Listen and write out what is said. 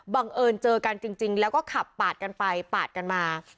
บังเอิญเจอกันจริงแล้วก็ขับปาดกันไปปาดกันมา